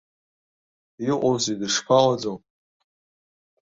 Иҟоузеи, дышԥаҟаӡоу?